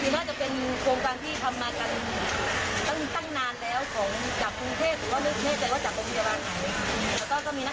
โครงนี้นะคะมันก็จะมีนักศึกษานักศึกษาที่จะเริ่มโครงการนะคะ